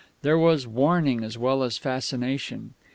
There was warning as well as fascination.